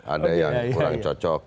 ada yang kurang cocok